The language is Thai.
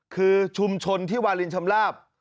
คือชุมชนที่วาลินชำลาบ